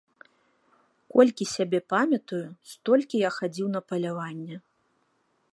Колькі сябе памятаю, столькі я хадзіў на паляванне.